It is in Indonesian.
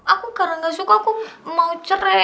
aku karena gak suka aku mau cerai